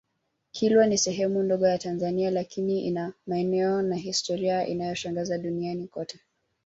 Kilwa ni sehemu ndogo ya Tanzania lakini ina maeneo na historia inayoshangaza duniani kote